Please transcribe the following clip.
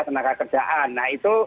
tenaga kerjaan nah itu